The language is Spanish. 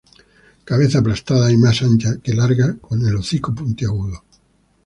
Cabeza aplastada y más ancha que larga, con el hocico puntiagudo.